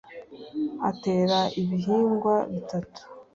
atera ibihingwa bitatu.